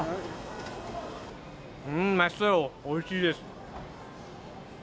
おいしいです。